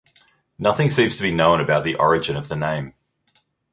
Nothing seems to be known about the origin of the name.